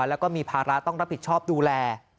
แล้วก็มีภาระต้องรับผิดชอบดูแล